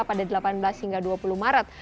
pada delapan belas hingga dua puluh maret